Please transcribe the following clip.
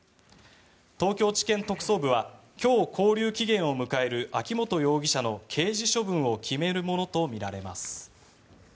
東京地検特捜部は今日、勾留期限を迎える秋本容疑者の刑事処分を決めるものとみられます。